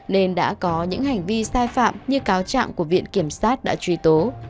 nên đã có những hành vi sai phạm như cáo chạm của viện kiểm soát đã truy tố